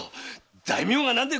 大名が何でい！